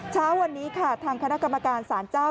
เช้าวันนี้ค่ะทางคณะกรรมการศาลเจ้า